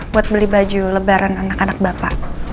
buat beli baju lebaran anak anak bapak